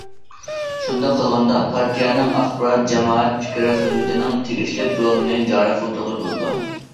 « شۇنداق قىلغاندا پارتىيەنىڭ ئاخبارات جامائەت پىكرى خىزمىتىنىڭ تېگىشلىك رولىنى جارى قىلدۇرغىلى بولىدۇ».